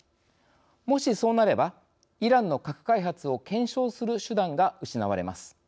もし、そうなればイランの核開発を検証する手段が失われます。